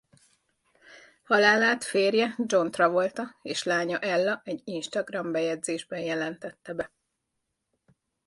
Halálát férje John Travolta és lánya Ella egy Instagram-bejegyzésben jelentette be.